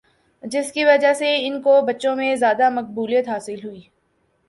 جس کی وجہ سے ان کو بچوں میں زیادہ مقبولیت حاصل ہوئی